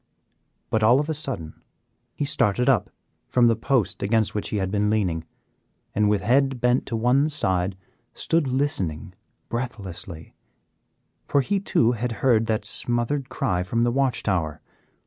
But all of a sudden he started up from the post against which he had been leaning, and with head bent to one side, stood listening breathlessly, for he too had heard that smothered cry from the watch tower.